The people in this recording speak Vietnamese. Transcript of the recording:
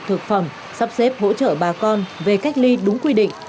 thực phẩm sắp xếp hỗ trợ bà con về cách ly đúng quy định